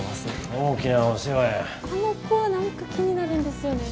あの子は何か気になるんですよね。